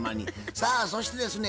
さあそしてですね